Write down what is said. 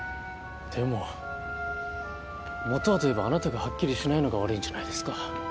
でも元はといえばあなたがはっきりしないのが悪いんじゃないですか。